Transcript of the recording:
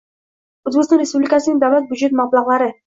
O‘zbekiston Respublikasining Davlat budjeti mablag‘lari